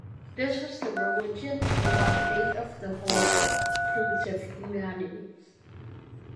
This was the religion, the One Faith of the whole of primitive humanity.